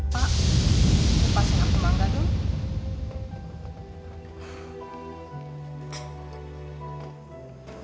pak pas yang aku mangga dulu